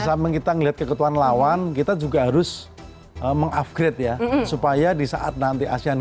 sampai kita ngelihat keketuhan lawan kita juga harus mengupgrade ya supaya di saat nanti asean